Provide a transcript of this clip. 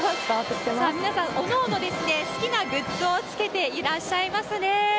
さあ皆さん、おのおの好きなグッズをつけていらっしゃいますね。